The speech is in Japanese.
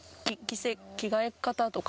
着替え方とか？